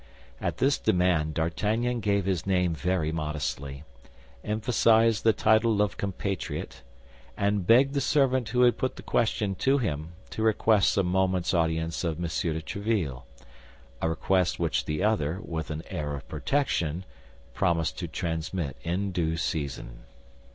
At this demand D'Artagnan gave his name very modestly, emphasized the title of compatriot, and begged the servant who had put the question to him to request a moment's audience of M. de Tréville—a request which the other, with an air of protection, promised to transmit in due season.